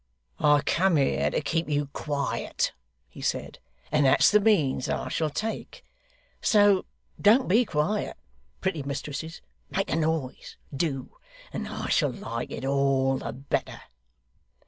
'I come here to keep you quiet,' he said, 'and that's the means I shall take. So don't be quiet, pretty mistresses make a noise do and I shall like it all the better.